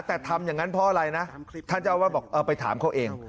แต่ทำอย่างนั้นเพราะอะไรนะท่านจะเอาว่าไปถามเขาเอง